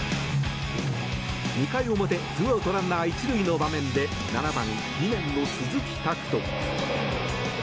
２回表ツーアウトランナー１塁の場面で７番、２年の鈴木拓斗。